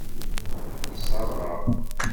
Zzman yeṣṣreɣ-aɣ.